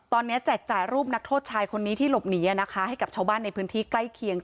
ตอนนี้แจกจ่ายรูปนักโทษชายคนนี้ที่หลบหนีให้กับชาวบ้านในพื้นที่ใกล้เคียง